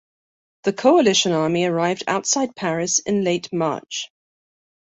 The Coalition army arrived outside Paris in late March.